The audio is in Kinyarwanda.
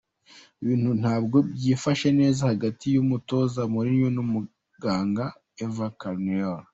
Ibintu ntabwo byifashe neza hagati y'umutoza Mourinho n'umuganga Eva Carneiro.